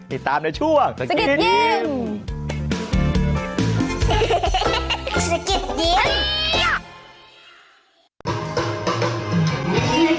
ติดตามในช่วงสกิน